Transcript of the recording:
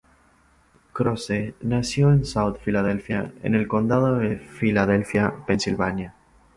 Croce nació en South Philadelphia, en el condado de Filadelfia, Pensilvania.